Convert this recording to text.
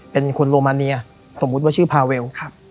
เป็นคนโรมาเนียสมมุติว่าชื่อพาเวล